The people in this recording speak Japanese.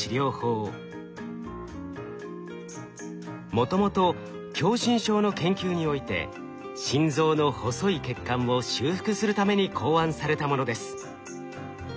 もともと狭心症の研究において心臓の細い血管を修復するために考案されたものです。